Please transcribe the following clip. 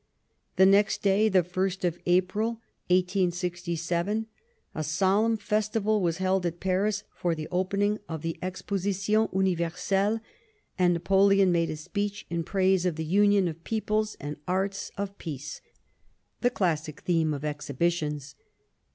The next day, the ist of April, 1867, a solemn festival was held at Paris for the opening of the Exposition Universelle, and Napoleon made a speech in praise of the union of peoples and the arts of peace — the classic theme of exhibitions.